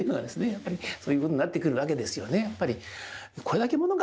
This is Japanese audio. やっぱりそういうことになってくるわけですよね。